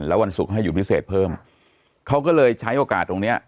แล้ววันศุกร์ให้หยุดพิเศษเพิ่มเขาก็เลยใช้โอกาสตรงเนี้ย